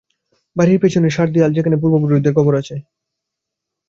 বাড়ির পেছনের সারদেয়াল, যেখানে পূর্বপুরুষদের কবর আছে।